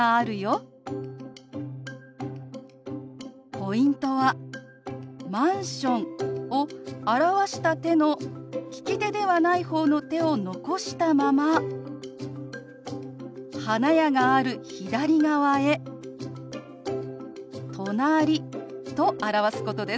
ポイントはマンションを表した手の利き手ではない方の手を残したまま花屋がある左側へ「隣」と表すことです。